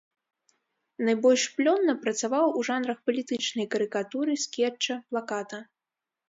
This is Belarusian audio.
Найбольш плённа працаваў у жанрах палітычнай карыкатуры, скетча, плаката.